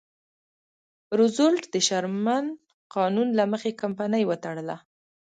روزولټ د شرمن قانون له مخې کمپنۍ وتړله.